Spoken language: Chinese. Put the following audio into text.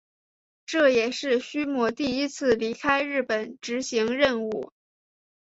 这也是须磨第一次离开日本执行任务。